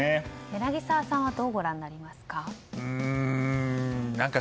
柳澤さんはどうご覧になりますか。